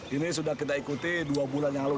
ini sudah kita ikuti dua bulan yang lalu